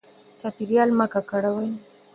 چاپیریال مه ککړوئ.